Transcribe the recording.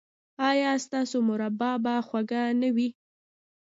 ایا ستاسو مربا به خوږه نه وي؟